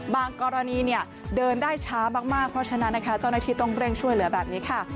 กรณีเนี่ยเดินได้ช้ามากเพราะฉะนั้นนะคะเจ้าหน้าที่ต้องเร่งช่วยเหลือแบบนี้ค่ะ